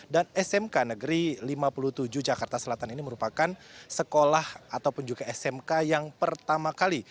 dan smk negeri lima puluh tujuh jakarta selatan ini merupakan sekolah ataupun juga smk yang pertama kali